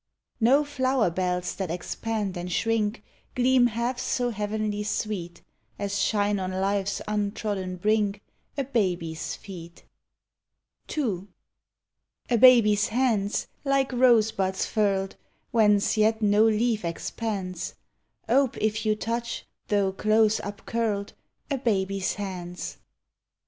No Hower lK'lls that expand and shrink Gleam half so heavenly sweet As shine on life's untrodden brink A baby's feet. ii. A baby's hands, like rosebuds furled, Whence yet no leaf expands, Ope if you touch, though close upcurled, A baby's hands.